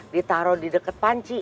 ditaruh di deket panci